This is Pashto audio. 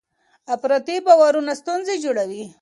افراطي باورونه ستونزې جوړوي.